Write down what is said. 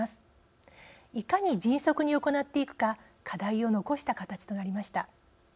いかに迅速に行っていくか課題を残した形となりました。